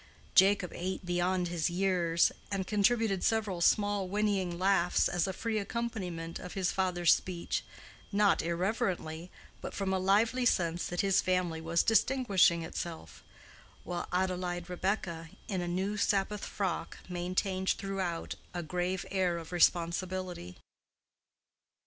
Jacob ate beyond his years, and contributed several small whinnying laughs as a free accompaniment of his father's speech, not irreverently, but from a lively sense that his family was distinguishing itself; while Adelaide Rebekah, in a new Sabbath frock, maintained throughout a grave air of responsibility.